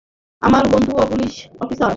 আমার বন্ধুও police officer.